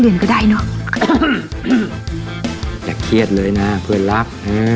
อย่าเครียดเลยนะเพื่อนรัก